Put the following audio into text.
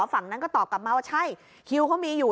ฝั่งนั้นก็ตอบกลับมาว่าใช่คิวเขามีอยู่